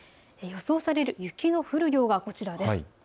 予想される雪の降る量がこちらです。